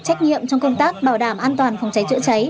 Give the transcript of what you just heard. trách nhiệm trong công tác bảo đảm an toàn phòng cháy chữa cháy